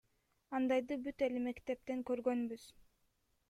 Андайды бүт эле мектептен көргөнбүз.